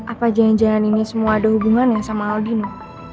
apa jangan jangan ini semua ada hubungannya sama aldi no